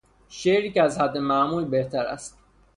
شعری که از حد معمول بهتر است